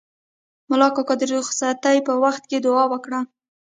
ملا کاکا د رخصتۍ په وخت کې دوعا وکړه.